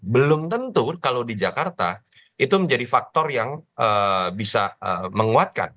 belum tentu kalau di jakarta itu menjadi faktor yang bisa menguatkan